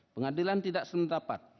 pengadilan tidak sendapat